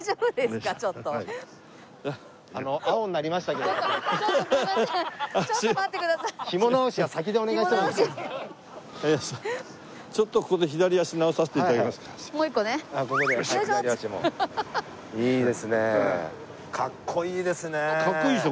かっこいいでしょ？